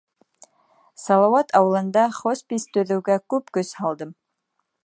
Салауат ауылында хоспис төҙөүгә күп көс һалдым.